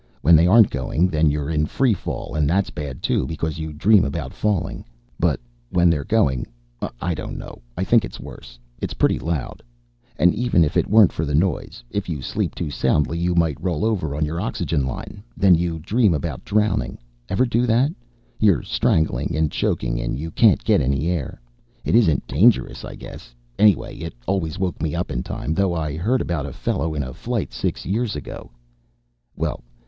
When they aren't going, then you're in free fall, and that's bad, too, because you dream about falling. But when they're going, I don't know, I think it's worse. It's pretty loud. "And even if it weren't for the noise, if you sleep too soundly you might roll over on your oxygen line. Then you dream about drowning. Ever do that? You're strangling and choking and you can't get any air? It isn't dangerous, I guess. Anyway, it always woke me up in time. Though I heard about a fellow in a flight six years ago "Well.